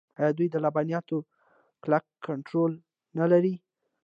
آیا دوی د لبنیاتو کلک کنټرول نلري؟